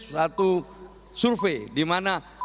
suatu survei di mana